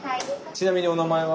ちなみにお名前は？